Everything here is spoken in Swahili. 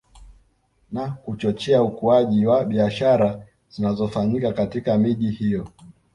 Na kuchochea ukuaji wa biashara zinazofanyika katika miji hiyo